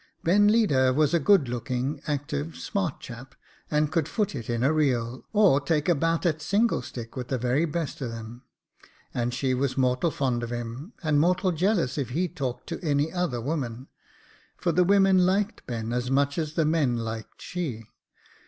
Ben Leader was a good looking, active, smart chap, and could foot it in a reel, or take a bout at single stick with the very best o' them ; and she was mortal fond of him, and mortal jealous if he talked to any other woman, for the women liked Ben as much as the men liked she.